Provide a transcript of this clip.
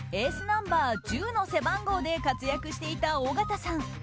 ナンバー１０の背番号で活躍していた尾形さん。